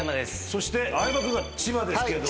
そして相葉君が千葉ですけれど。